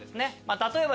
例えば。